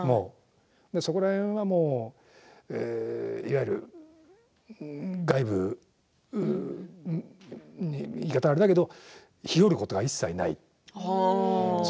そこら辺はいわゆる外部という言い方は、あれだけどひよることは一切ない。